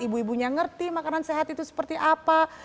ibu ibunya ngerti makanan sehat itu seperti apa